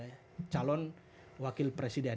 itu bisa menjadi calon wakil presiden